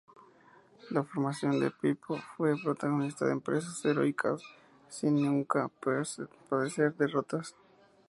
La formación de Pippo fue protagonista de empresas heroicas, sin nunca padecer derrotas.